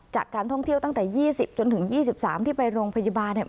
จากการท่องเที่ยวตั้งแต่๒๐จนถึง๒๓ที่ไปโรงพยาบาลเนี่ย